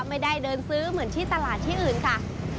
ไม่ได้เดินซื้อเหมือนที่ตลาดที่อื่นค่ะ